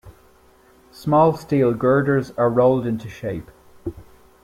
Small steel girders are rolled into shape.